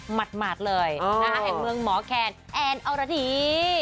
หมาดเลยแห่งเมืองหมอแคนแอนอรดี